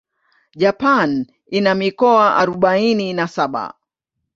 Japan ina mikoa arubaini na saba.